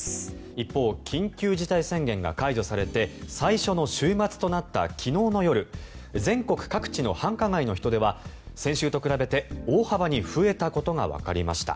一方緊急事態宣言が解除されて最初の週末となった昨日の夜全国各地の繁華街の人出は先週と比べて大幅に増えたことがわかりました。